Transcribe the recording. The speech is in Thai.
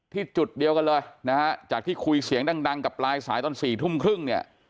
จุดเดียวกันเลยนะฮะจากที่คุยเสียงดังกับปลายสายตอน๔ทุ่มครึ่งเนี่ย